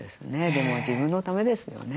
でも自分のためですよね。